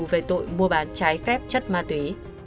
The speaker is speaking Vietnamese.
về tội mua bán trái phép chất ma túy